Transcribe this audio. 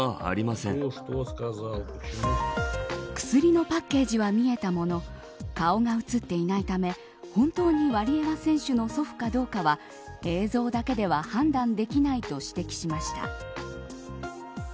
薬のパッケージは見えたものの顔が映っていないため本当にワリエワ選手の祖父かどうかは映像だけでは判断できないと指摘しました。